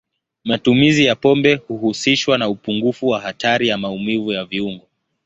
Matumizi ya pombe huhusishwa na upungufu wa hatari ya maumivu ya viungo.